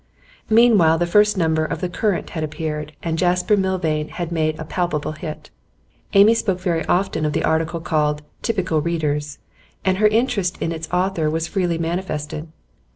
Meanwhile the first number of The Current had appeared, and Jasper Milvain had made a palpable hit. Amy spoke very often of the article called 'Typical Readers,' and her interest in its author was freely manifested.